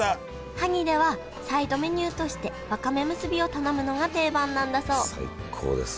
萩ではサイドメニューとしてわかめむすびを頼むのが定番なんだそう最高です。